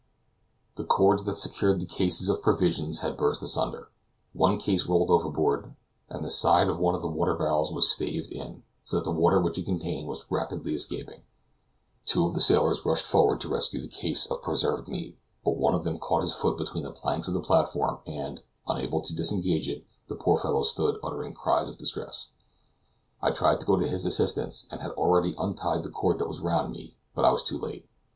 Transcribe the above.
The cords that secured the cases of provisions had burst asunder. One case rolled overboard, and the side of one of the water barrels was staved in, so that the water which it contained was rapidly escaping. Two of the sailors rushed forward to rescue the case of preserved meat; but one of them caught his foot between the planks of the platform, and, unable to disengage it, the poor fellow stood uttering cries of distress. I tried to go to his assistance, and had already untied the cord that was around me; but I was too late.